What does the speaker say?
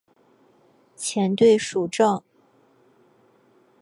前队属正。